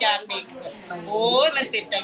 อยากให้สังคมรับรู้ด้วย